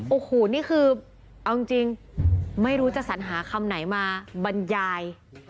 โอ้โหนี่คือเอาจริงไม่รู้จะสัญหาคำไหนมาบรรยาย